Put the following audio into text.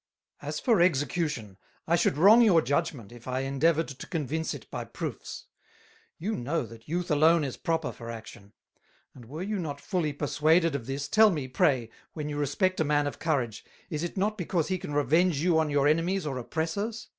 "As for Execution, I should wrong your Judgment if I endeavoured to convince it by proofs: You know that Youth alone is proper for Action; and were you not fully perswaded of this, tell me, pray, when you respect a Man of Courage, is it not because he can revenge you on your Enemies or Oppressors?